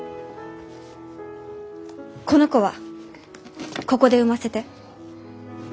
この子はここで産ませて。